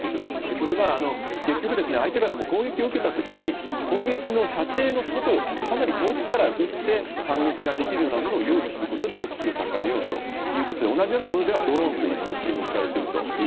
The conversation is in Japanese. これは、結局相手から攻撃を受けた時に攻撃の射程の外かなり遠くから撃って反撃ができるようなものを用意することで抑止を高めようということで同じようなものではドローンが注目されています。